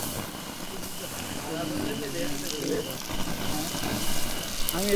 কোন রেজিম্যান্টে যেতে চাও?